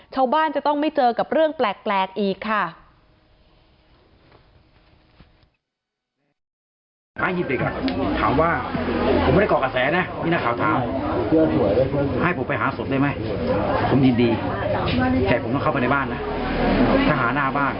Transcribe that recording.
ชาวบ้านจะต้องไม่เจอกับเรื่องแปลกอีกค่ะ